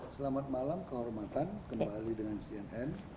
selamat malam kehormatan kembali dengan cnn